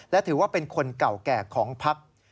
และถือว่าเป็นคนเก่าแก่ของพัก